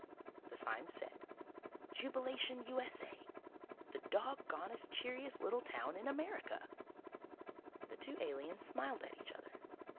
The sign said: JUBILATION, U.S.A.!! The doggondest, cheeriest little town in America! The two aliens smiled at each other.